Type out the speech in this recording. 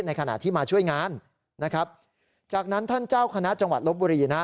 ขณะที่มาช่วยงานนะครับจากนั้นท่านเจ้าคณะจังหวัดลบบุรีนะ